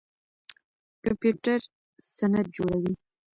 کمپيوټر سند جوړوي.